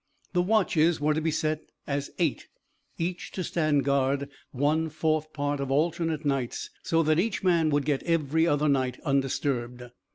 The watches were to be set as eight, each to stand guard one fourth part of alternate nights, so that each man would get every other night undisturbed.